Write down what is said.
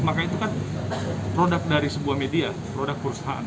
maka itu kan produk dari sebuah media produk perusahaan